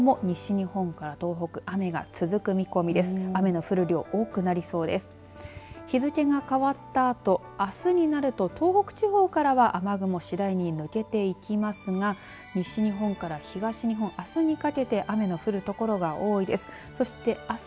日付が変わったあとあすになると東北地方からは雨雲、次第に抜けていきますが西日本から東日本、あすにかけて雨の降る所は多いです。